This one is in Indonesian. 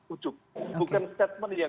ujuk bukan statement yang